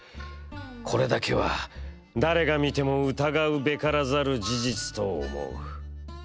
これだけは誰が見ても疑うべからざる事実と思う」。